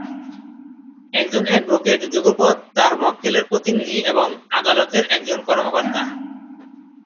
একজন অ্যাডভোকেট যুগপৎ তার মক্কেলের প্রতিনিধি এবং আদালতের একজন কর্মকর্তা।